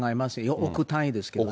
億単位ですけど。